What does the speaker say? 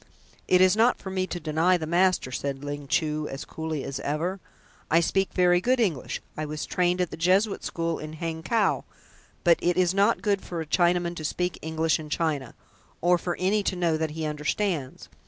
"It is not for me to deny the master," said Ling Chu as coolly as ever. "I speak very good English. I was trained at the Jesuit School in Hangkow, but it is not good for a Chinaman to speak English in China, or for any to know that he understands.